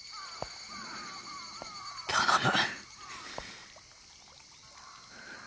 頼む。